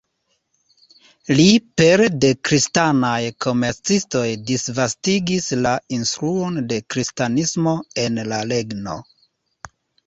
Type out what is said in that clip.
Li pere de kristanaj komercistoj disvastigis la instruon de kristanismo en la regno.